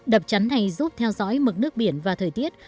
đập chắn này giúp theo dõi mực nước biển và thời tiết